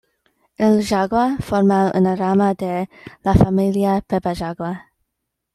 El yagua forma una rama de la familia peba-yagua.